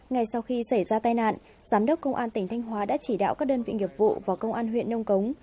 ngay sau khi xảy ra tai nạn giám đốc công an tỉnh thanh hóa đã chỉ đạo các đơn vị nghiệp vụ và công an huyện nông cống